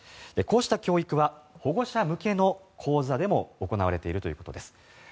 こうした教育は保護者向けの講座でも行われているということです。